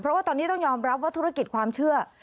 เพราะว่าตอนนี้ต้องยอมรับว่าธุรกิจความเชื่อ